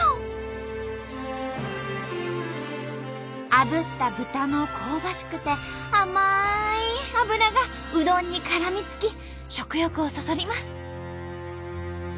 あぶった豚の香ばしくて甘い脂がうどんにからみつき食欲をそそります。